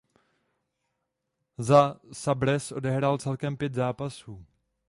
Za Sabres odehrál celkem pět zápasů.